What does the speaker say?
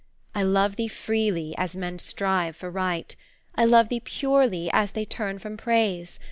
I love thee freely, as men strive for Right, I love thee purely, as they turn from Praise.